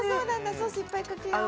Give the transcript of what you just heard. ソースいっぱいかけよう。